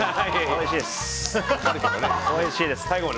おいしいです。